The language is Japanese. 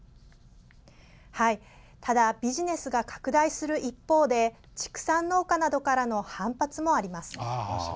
ただ、ビジネスが拡大する一方で畜産農家などからの反発もあります。